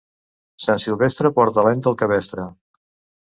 Sant Silvestre porta l'any del cabestre.